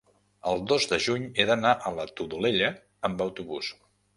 El dos de juny he d'anar a la Todolella amb autobús.